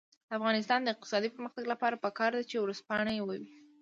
د افغانستان د اقتصادي پرمختګ لپاره پکار ده چې ورځپاڼې وي.